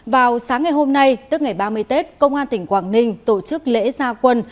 vào sáng ngày hôm nay tức ngày ba mươi tết công an tỉnh quảng ninh tổ chức lễ gia quân